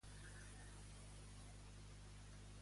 Segon ell, quin és l'únic poder que li queda?